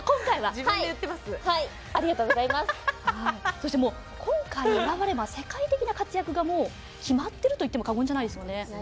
そしてもう今回選ばれれば世界的な活躍がもう決まってると言っても過言じゃないですよね。